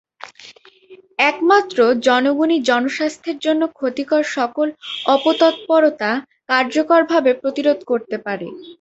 একমাত্র জনগণই জনস্বাস্থ্যের জন্য ক্ষতিকর সকল অপতৎপরতা কার্যকরভাবে প্রতিরোধ করতে পারে।